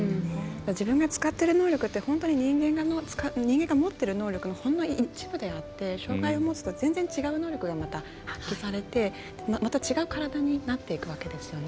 自分が使ってる能力って人間が持っている能力のほんの一部であって障がいを持つと、全然違う能力が発揮されて、また違う体になっていくわけですよね。